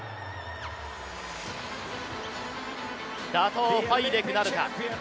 打倒ファイデクなるか。